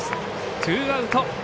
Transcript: ツーアウト。